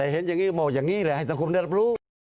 เห็นอย่ะบอกอย่างนี้แหละสรรคมเรียบรู้